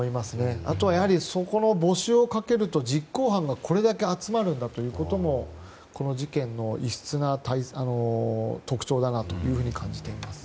あとは、募集をかけると実行犯がこれだけ集まるんだということもこの事件の異質な特徴だなと感じています。